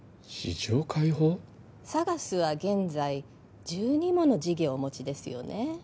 ＳＡＧＡＳは現在１２もの事業をお持ちですよね